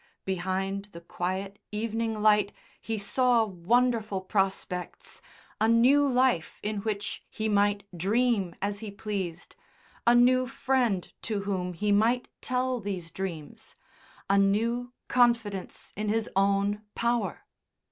Behind the quiet evening light he saw wonderful prospects, a new life in which he might dream as he pleased, a new friend to whom he might tell these dreams, a new confidence in his own power....